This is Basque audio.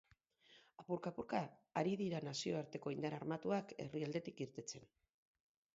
Apurka-apurka ari dira nazioarteko indar armatuak herrialdetik irtetzen.